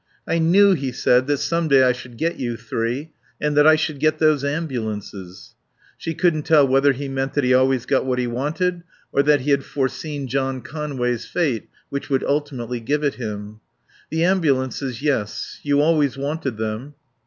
"I knew," he said, "that some day I should get you three. And that I should get those ambulances." She couldn't tell whether he meant that he always got what he wanted or that he had foreseen John Conway's fate which would ultimately give it him. "The ambulances Yes. You always wanted them."